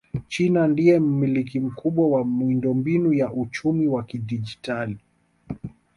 China ndiye mmiliki mkubwa wa miundombinu ya uchumi wa kidigitali